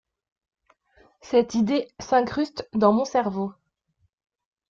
Cette idée s’incruste dans mon cerveau.